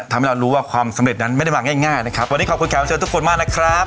ทำให้เรารู้ว่าความสำเร็จนั้นไม่ได้มาง่ายง่ายนะครับวันนี้ขอบคุณแขกรับเชิญทุกคนมากนะครับ